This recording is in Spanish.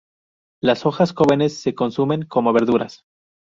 Las hojas jóvenes se consumen como verduras.